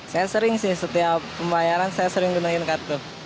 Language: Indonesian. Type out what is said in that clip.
saya sering sih setiap pembayaran saya sering gunain kartu